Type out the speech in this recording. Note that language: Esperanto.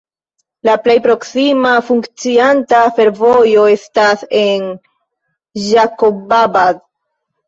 La plej proksima funkcianta fervojo estas en Ĝakobabad.